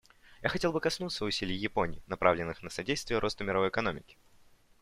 Я хотел бы коснуться усилий Японии, направленных на содействие росту мировой экономики.